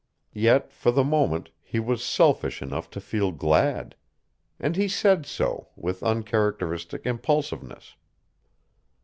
Yet for the moment he was selfish enough to feel glad. And he said so, with uncharacteristic impulsiveness.